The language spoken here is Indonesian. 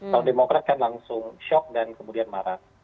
kalau demokrat kan langsung shock dan kemudian marah